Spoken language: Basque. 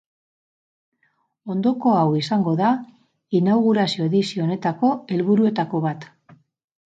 Ondoko hau izango da inaugurazio-edizio honetako helburuetako bat.